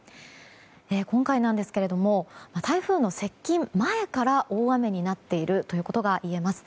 今回なんですけれども台風の接近前から大雨になっているということが言えます。